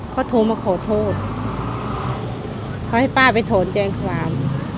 เขาโทรมาขอโทษเขาให้ป้าไปถอนแจ้งความ